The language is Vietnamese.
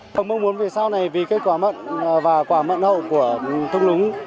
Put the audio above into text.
tôi mong muốn về sau này vì cây quả mận và quả mận hậu của thông lúng